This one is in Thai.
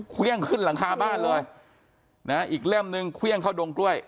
เครื่องขึ้นหลังคาบ้านเลยนะอีกเล่มนึงเครื่องเข้าดงกล้วย